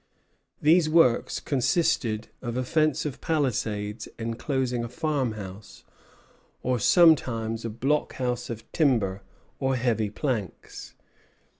These works consisted of a fence of palisades enclosing a farm house, or sometimes of a blockhouse of timber or heavy planks.